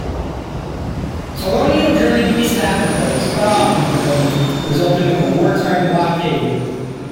Colonial German East Africa was cut off from Germany resulting from a wartime blockade.